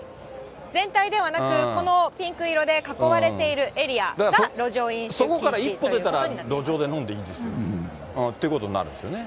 全体ではなく、このピンク色で囲われているエリアが路上飲酒禁止ということになそこから一歩出たら路上で飲んでいいんですよってことになるんですよね。